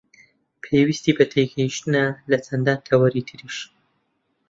پێویستی بە تێگەیشتنە لە چەندان تەوەری تریش